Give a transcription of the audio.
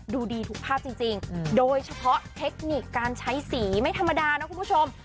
ดูดีทุกภาพจริงโดยเฉพาะเทคนิคการใช้สีไม่ธรรมดานะคุณผู้ชม